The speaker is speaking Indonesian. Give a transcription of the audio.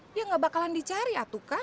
dia gak bakalan dicari atuh kan